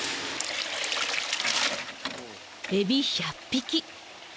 エビ１００匹。